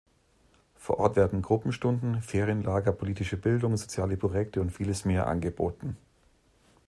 Vor Ort werden Gruppenstunden, Ferienlager, politische Bildung, soziale Projekte und vieles mehr angeboten.